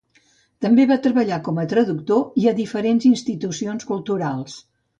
També va treballar com a traductor i a diferents institucions culturals.